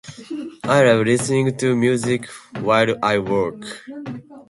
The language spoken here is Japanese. I love listening to music while I work.